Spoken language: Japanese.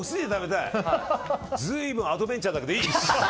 随分アドベンチャーだけどいい？